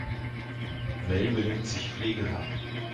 Mel benimmt sich flegelhaft.